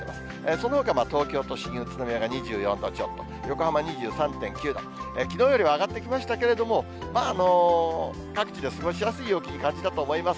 そのほか東京都心、宇都宮が２４度ちょっと、横浜２３．９度、きのうよりは上がってきましたけれども、各地で過ごしやすい陽気に感じたと思います。